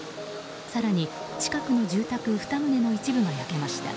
更に近くの住宅２棟の一部が焼けました。